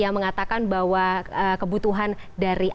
yang mengatakan bahwa kebutuhan dari apapun yang diperlukan untuk membiayai pemilu